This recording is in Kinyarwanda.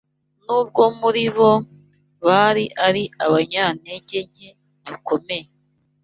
nubwo muri bo bari ari abanyantege nke bikomeye